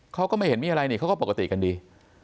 เขาก็ไม่เห็นมีอะไรนี่เขาก็ปกติกันดี